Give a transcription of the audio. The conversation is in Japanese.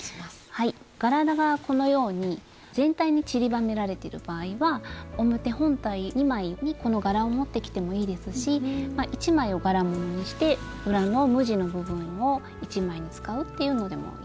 柄がこのように全体に散りばめられてる場合は表本体２枚にこの柄を持ってきてもいいですし１枚を柄物にして裏の無地の部分を１枚に使うっていうのでもいいですよね。